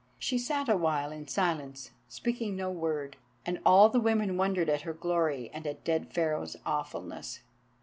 She sat awhile in silence speaking no word, and all the women wondered at her glory and at dead Pharaoh's awfulness.